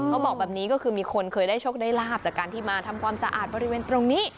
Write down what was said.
เขาบอกแบบนี้ก็คือมีคนเคยได้โชคได้ลาบจากการที่มาทำความสะอาดบริเวณตรงนี้